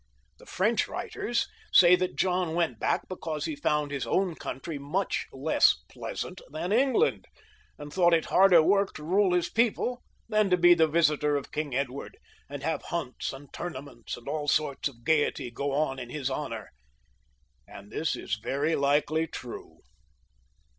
The French writers say that John went back because he found his own country much less pleasant than England, and thought it harder work to be expected to rule his people than to be the visitor of King Edward, and have hunts and tournaments and all sorts of gaiety go on in his honour ; and this is very likely true.